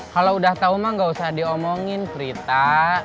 kalau udah tau mah gak usah diomongin cerita